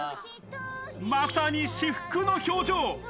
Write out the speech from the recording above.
まさに至福の表情。